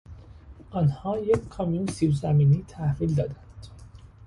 آنها یک کامیون سیب زمینی تحویل دادند.